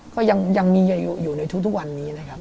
ก็ยังมีอยู่ในทุกวันนี้นะครับ